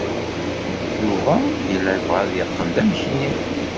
Yuba yella yebɣa ad yeqqel d amekni.